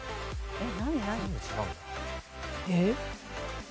えっ？